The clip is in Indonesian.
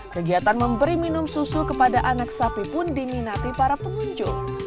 kegiatan memberi minum susu kepada anak sapi pun diminati para pengunjung